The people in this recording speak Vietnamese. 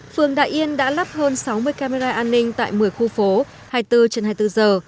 phường đại yên đã lắp hơn sáu mươi camera an ninh tại một mươi khu phố hai mươi bốn trên hai mươi bốn giờ